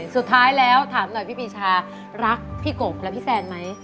สุดท้ายแล้วถามหน่อยพี่ปีชารักพี่กบและพี่แซนไหม